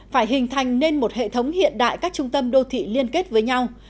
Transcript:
phải hình thành nên một hệ thống hiện đại các trung tâm đô thị liên kết với nhau